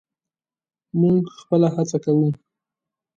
موږ خپله هڅه کوو.